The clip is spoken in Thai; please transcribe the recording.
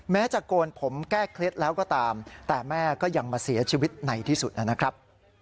แม้จะโกนผมแก้เคล็ดแล้วก็ตามแต่แม่ก็ยังมาเสียชีวิตในที่สุดนะครับ